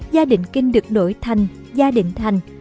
gia định kinh được đổi thành gia định thành